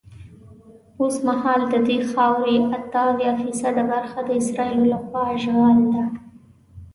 اوسمهال ددې خاورې اته اویا فیصده برخه د اسرائیلو له خوا اشغال ده.